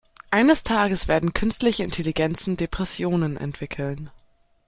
Eines Tages werden künstliche Intelligenzen Depressionen entwickeln.